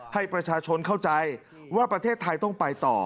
ให้ประชาชนเข้าใจว่าประเทศไทยต้องไปต่อ